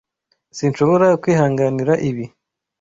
Sinshobora kwihanganira ibi.